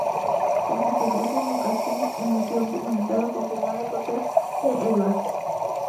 Tras la filtración, LucasFilm emitió un comunicado confirmando el papel de Edwards.